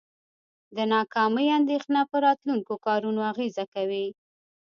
د ناکامۍ اندیښنه په راتلونکو کارونو اغیزه کوي.